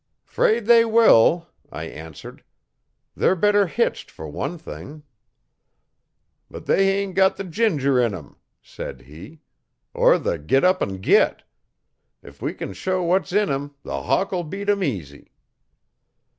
''Fraid they will,' I answered. 'They're better hitched for one thing.' 'But they hain't got the ginger in 'em,' said he, 'er the git up 'n git. If we can show what's in him the Hawk'll beat 'em easy.'